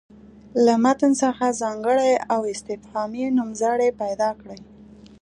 له متن څخه ځانګړي او استفهامي نومځړي پیدا کړي.